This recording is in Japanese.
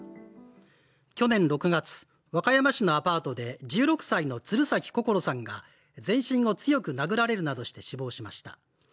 去年６月、和歌山市のアパートで１６歳の鶴崎心桜さんが全身を強く殴られるなどして死亡しました。